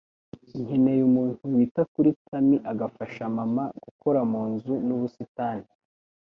Nkeneye umuntu wita kuri Tammy agafasha Mama gukora munzu nubusitani